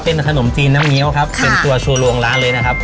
เป็นขนมจีนน้ำเงี้ยวครับเป็นตัวโชว์ลวงร้านเลยนะครับ